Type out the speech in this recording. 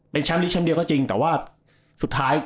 เป็นแชมป์นี้แชมป์เดียวก็จริงแต่ว่าสุดท้าย